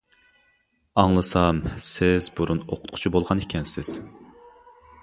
ئاڭلىسام سىز بۇرۇن ئوقۇتقۇچى بولغان ئىكەنسىز.